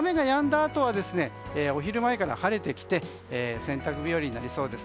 あとはお昼前から晴れてきて洗濯日和になりそうです。